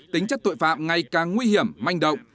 tính chất tội phạm ngày càng nguy hiểm manh động